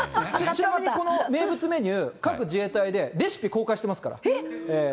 ちなみにこの名物メニュー、各自衛隊でレシピ公開してますから。